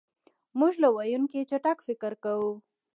مونږ له ویونکي چټک فکر کوو.